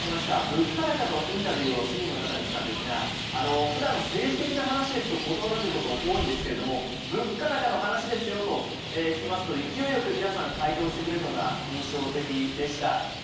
物価高のインタビューを市民の方にしたんですがふだん政治的な話ですと断られること多いんですけれども物価高の話ですよと聞きますと勢いよく皆さん回答してくれるのが印象的でした。